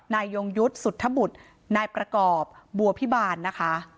ยงยุทธ์สุธบุตรนายประกอบบัวพิบาลนะคะ